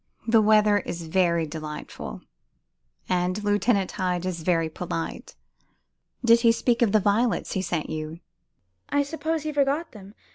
"The weather is very delightful, and Lieutenant Hyde is very polite. Did he speak of the violets he sent you?" "I suppose he forgot them.